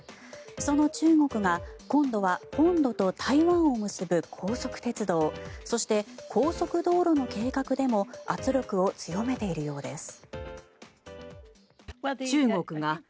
その中国が今度は本土と台湾を結ぶ高速鉄道そして、高速道路の計画でも圧力を強めているようです。